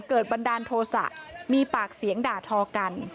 บันดาลโทษะมีปากเสียงด่าทอกัน